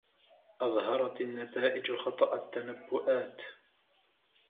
أظهرت النتائجُ خطأ التنبؤات.